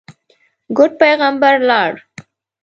ګوډ پېغمبر ولاړ.